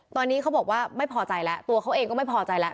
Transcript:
ตอนนี้เขาบอกว่าไม่พอใจแล้วตัวเขาเองก็ไม่พอใจแล้ว